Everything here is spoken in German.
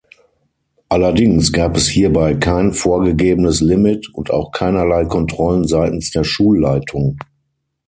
Allerdings gab es hierbei kein vorgegebenes Limit und auch keinerlei Kontrollen seitens der Schulleitung.